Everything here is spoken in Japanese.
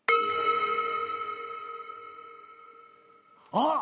あっ！